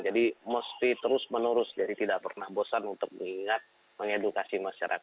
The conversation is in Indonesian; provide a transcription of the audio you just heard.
jadi mesti terus menerus jadi tidak pernah bosan untuk mengingat mengedukasi masyarakat